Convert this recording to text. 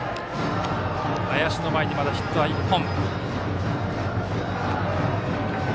林の前に、まだヒットは１本。